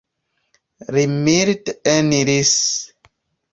Li milde eniris.